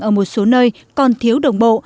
ở một số nơi còn thiếu đồng bộ